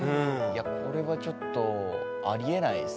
いやこれはちょっとありえないですね。